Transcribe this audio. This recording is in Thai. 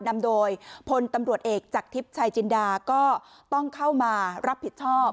นำโดยพลตำรวจเอกจากทิพย์ชายจินดาก็ต้องเข้ามารับผิดชอบ